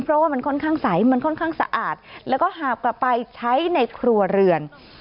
เพราะว่ามันค่อนข้างใสมันค่อนข้างสะอาดแล้วก็หาบกลับไปใช้ในครัวเรือน